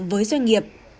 với doanh nghiệp